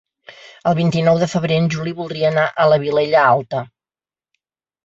El vint-i-nou de febrer en Juli voldria anar a la Vilella Alta.